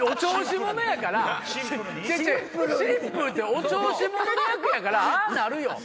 お調子者の役やからああなるよ！